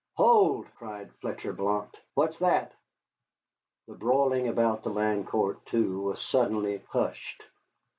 "Hold!" cried Fletcher Blount, "what's that?" The broiling about the land court, too, was suddenly hushed.